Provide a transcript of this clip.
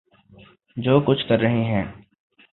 جو کچھ کر رہے ہیں۔